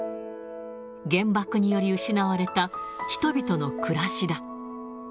原爆により失われた人々の暮らしだ。